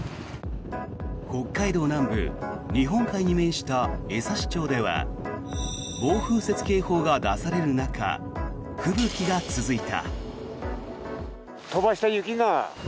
北海道南部日本海に面した江差町では暴風雪警報が出される中吹雪が続いた。